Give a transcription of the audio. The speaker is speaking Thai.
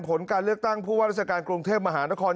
ผลการเลือกตั้งผู้ว่าราชการกรุงเทพมหานคร